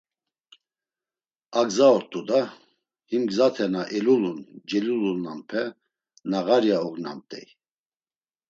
A gza ort̆u da, him gzate na elulun celulunanpe nağarya ognamt̆ey.